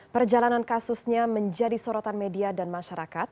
perjalanan kasusnya menjadi sorotan media dan masyarakat